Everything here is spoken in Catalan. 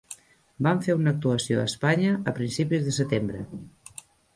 Van fer una actuació a Espanya a principis de setembre.